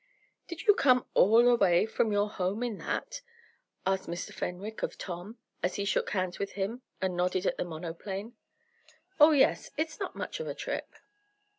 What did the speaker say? "Did you come all the way from your home in that?" asked Mr. Fenwick of Tom, as he shook hands with him, and nodded at the monoplane. "Oh, yes. It's not much of a trip."